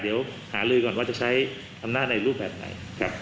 เดี๋ยวหาลือก่อนว่าจะใช้อำนาจในรูปแบบไหนครับ